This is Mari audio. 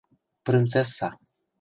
Прынцесса.